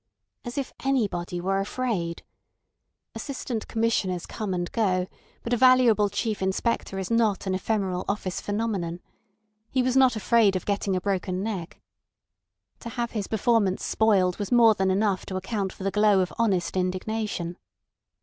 As if anybody were afraid! Assistant Commissioners come and go, but a valuable Chief Inspector is not an ephemeral office phenomenon. He was not afraid of getting a broken neck. To have his performance spoiled was more than enough to account for the glow of honest indignation.